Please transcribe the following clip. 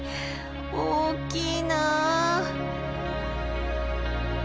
大きいなぁ。